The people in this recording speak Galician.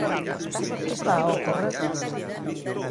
¿Que está a ocorrer?